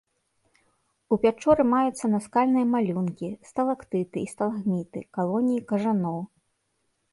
У пячоры маюцца наскальныя малюнкі, сталактыты і сталагміты, калоніі кажаноў.